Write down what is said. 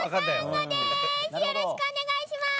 よろしくお願いします！